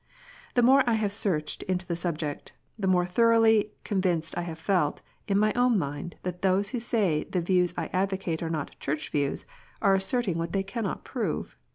The more I have searched the subject, the more thoroughly convinced have I felt in my own mind that those who say the views I advocate are not " Church views" are asserting what they cannot prove.